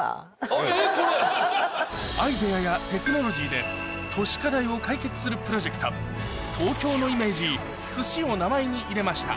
アイデアやテクノロジーで都市課題を解決するプロジェクト東京のイメージ「ＳｕｓＨｉ」を名前に入れました